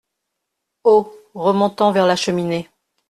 Haut, remontant vers la cheminée.